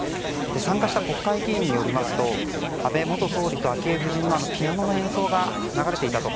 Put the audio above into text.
参加した国会議員によりますと安倍元総理と昭恵夫人のピアノの演奏が流れていたと。